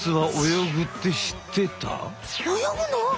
泳ぐの？